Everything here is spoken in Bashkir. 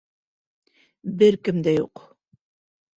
Бер кем дә юҡ.